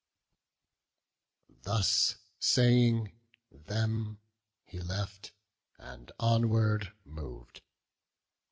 Thus saying, them he left, and onward mov'd.